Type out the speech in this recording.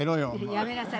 やめなさい。